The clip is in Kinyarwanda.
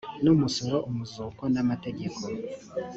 n umusoro umuzuko n amategeko